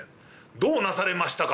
「どうなされましたか？」。